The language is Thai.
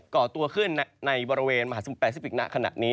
ก่อตัวขึ้นในบริเวณมหาสมุทรแปซิฟิกนะขณะนี้